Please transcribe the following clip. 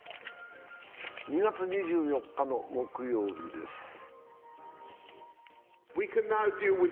２月２４日の木曜日です。